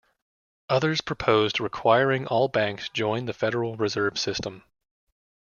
Others proposed requiring all banks to join the Federal Reserve System.